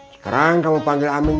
sekarang kamu panggil amin